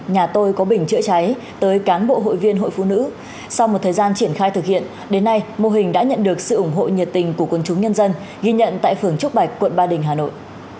nhà tôi có bình chữa cháy tới cán bộ hội viên hội phụ nữ sau một thời gian triển khai thực hiện đến nay mô hình đã nhận được sự ủng hộ nhiệt tình của quân chúng nhân dân ghi nhận tại phường trúc bạch quận ba đình hà nội